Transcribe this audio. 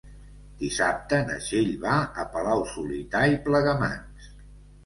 Dissabte na Txell va a Palau-solità i Plegamans.